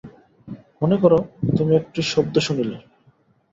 মনে কর, তুমি একটি শব্দ শুনিলে।